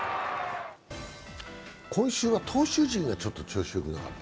今週は投手陣がちょっと調子よくなかった？